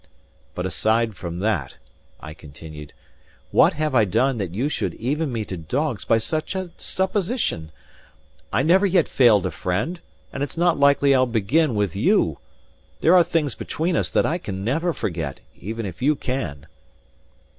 "But aside from that," I continued, "what have I done that you should even me to dogs by such a supposition? I never yet failed a friend, and it's not likely I'll begin with you. There are things between us that I can never forget, even if you can."